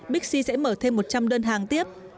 bixi sẽ mở thêm một trăm linh đơn hàng tiếp